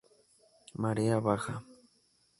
Marea baja.